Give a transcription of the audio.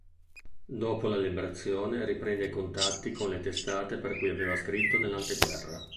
Dopo la Liberazione riprende i contatti con le testate per cui aveva scritto nell'anteguerra.